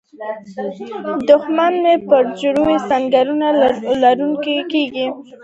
دښمن به یې برجورې او سنګر لرونکې کلاوې جوړې کړې وي.